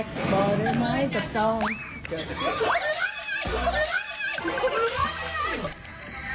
ปลอดภัย